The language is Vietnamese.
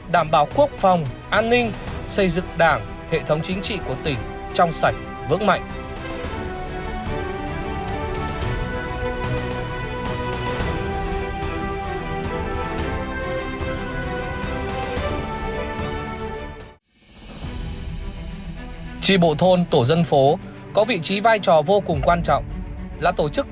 đảm bảo quốc phòng an ninh xây dựng đảng hệ thống chính trị của tỉnh trong sạch vững mạnh